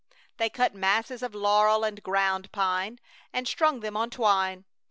They cut masses of laurel, and ground pine, and strung them on twine.